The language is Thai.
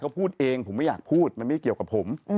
เขาพูดเองผมไม่อยากพูดมันไม่เกี่ยวกับผม